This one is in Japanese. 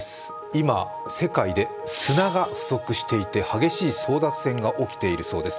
今、世界で砂が不足していて激しい争奪戦が起きているそうです。